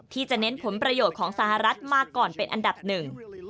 ที่จะเน้นผลประโยชน์ของสหรัฐมาก่อนเป็นอันดับหนึ่ง